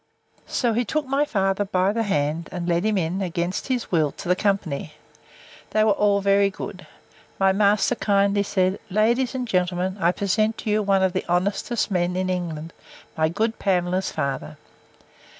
So he took my father by the hand, and led him in, against his will, to the company. They were all very good. My master kindly said, Ladies and gentlemen, I present to you one of the honestest men in England, my good Pamela's father.